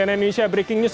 cnn indonesia breaking news